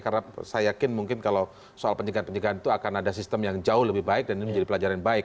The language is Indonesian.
karena saya yakin mungkin kalau soal penjagaan penjagaan itu akan ada sistem yang jauh lebih baik dan ini menjadi pelajaran yang baik